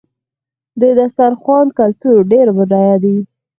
د دسترخوان کلتور ډېر بډایه دی.